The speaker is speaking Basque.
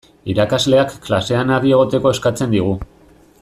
Irakasleak klasean adi egoteko eskatzen digu.